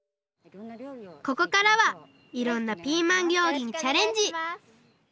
ここからはいろんなピーマン料理にチャレンジ！